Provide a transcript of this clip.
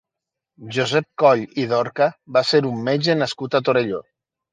Josep Coll i Dorca va ser un metge nascut a Torelló.